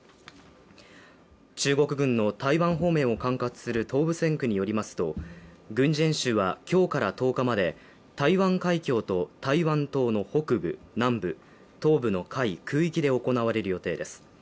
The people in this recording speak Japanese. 中国軍の台湾方面を管轄する東部戦区によりますと、軍事演習は今日から１０日まで台湾海峡と、台湾島の北部、南部、東部の海空域で行われる予定です。